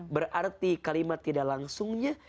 berarti kalimat tidak langsungnya